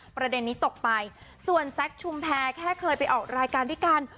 ประเด็นนี้ตกไปส่วนแซคชุมแพรแค่เคยไปออกรายการด้วยกัน